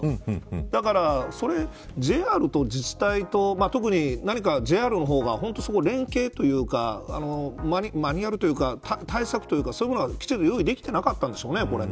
だから、それＪＲと自治体と特に何かＪＲの方が連携というかマニュアルというか対策というかそういうものが、きちんと用意できてなかったんでしょうね。